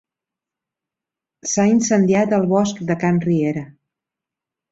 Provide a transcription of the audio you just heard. S'ha incendiat el bosc de can Riera.